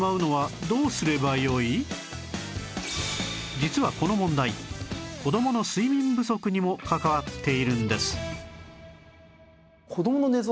実はこの問題子どもの睡眠不足にも関わっているんです